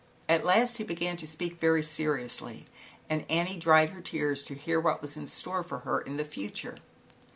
At last he began to speak very seriously and Annie dried her tears to hear what was in store for her in the future.